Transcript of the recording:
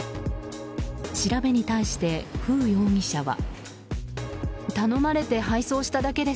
調べに対してフウ容疑者は。